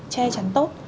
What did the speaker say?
che chắn tốt